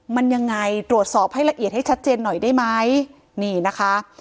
มันยังไงตรวจสอบให้ละเอียดให้ชัดเจนหน่อยได้ไหมนี่นะคะ